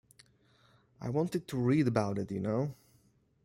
I wanted to read about it, you know?